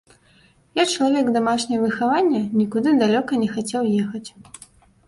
Я чалавек дамашняга выхавання, нікуды далёка не хацеў ехаць.